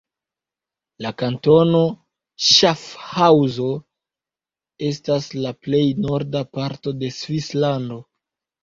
La kantono Ŝafhaŭzo estas la plej norda parto de Svislando.